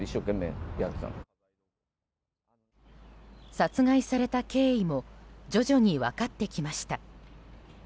殺害された経緯も徐々に分かってきました。